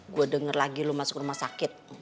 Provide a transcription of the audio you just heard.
gue denger lagi lo masuk rumah sakit